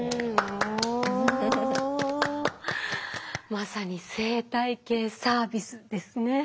まさに生態系サービスですね。